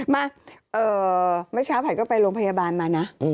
มาเมื่อเช้าผัดก็ไปโรงพยาบาลมานะ